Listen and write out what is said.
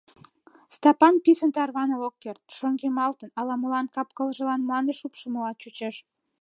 Стапан писын тарваныл ок керт — шоҥгемалтын, ала-молан кап-кылжылан мланде шупшмыла чучеш.